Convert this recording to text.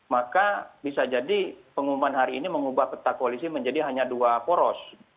maka bisa jadi pengumuman hari ini mengubah peta koalisi menjadi hanya dua poros